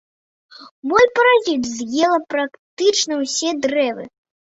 Моль-паразіт з'ела практычна ўсе дрэвы.